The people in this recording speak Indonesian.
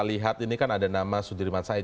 lihat ini kan ada nama sudirman said